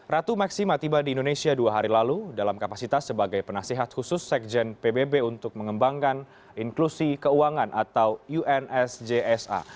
ratu maksima tiba di indonesia dua hari lalu dalam kapasitas sebagai penasihat khusus sekjen pbb untuk mengembangkan inklusi keuangan atau unsjsa